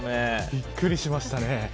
びっくりしましたね。